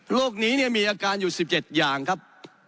โรคนี้มีอาการอยู่๑๗อย่างครับ